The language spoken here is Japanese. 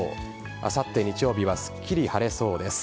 あさって日曜日はすっきり晴れそうです。